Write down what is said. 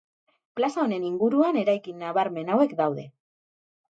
Plaza honen inguruan eraikin nabarmen hauek daude.